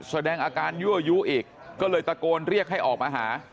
แสดงอาการยั่วยู้อีกก็เลยตะโกนเรียกให้ออกมาหา